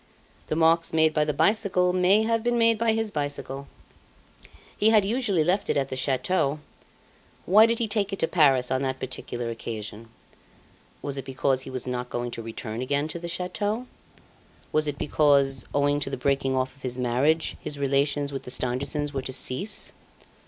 The marks made by the bicycle may have been made by his bicycle. He had usually left it at the chateau; why did he take it to Paris on that particular occasion? Was it because he was not going to return again to the chateau? Was it because, owing to the breaking off of his marriage, his relations with the Stangersons were to cease?